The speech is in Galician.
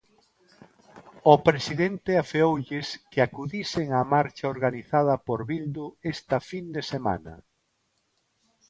O presidente afeoulles que acudisen á marcha organizada por Bildu esta fin de semana.